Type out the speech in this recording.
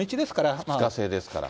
２日制ですから。